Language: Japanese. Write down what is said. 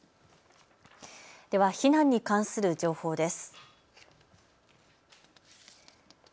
では避難に関する情報です。